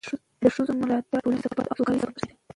د ښځو ملاتړ د ټولنې د ثبات او سوکالۍ سبب ګرځي.